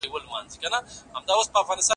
سازمانونه کله په سفارتونو کي کار پیلوي؟